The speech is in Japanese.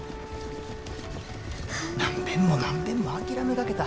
何べんも何べんも諦めかけた。